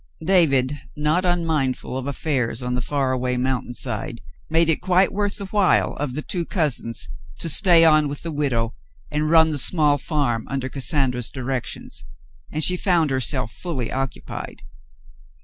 David, not unmindful of affairs on the far away moun tain side, made it quite worth the while of the two cousins to stay on with the widow and run the small farm under Cassandra's directions, and she found herself fully occu pied.